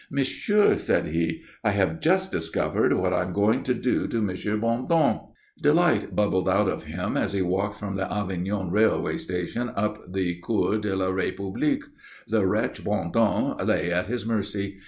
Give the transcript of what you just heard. "Monsieur," said he, "I have just discovered what I am going to do to M. Bondon." Delight bubbled out of him as he walked from the Avignon Railway Station up the Cours de la République. The wretch Bondon lay at his mercy.